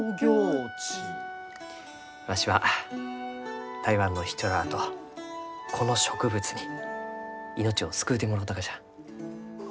わしは台湾の人らあとこの植物に命を救うてもろうたがじゃ。